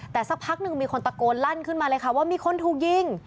แต่สักพักหนึ่งมีคนตะโกนลั่นขึ้นมาเลยค่ะว่ามีคนถูกยิง